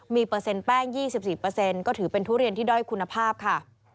มีเปอร์เซ็นแป้ง๒๔ก็ถือเป็นทุเรียนที่ด้อยคุณภาพค่ะ